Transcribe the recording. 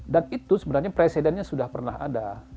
dan itu sebenarnya presidennya sudah pernah ada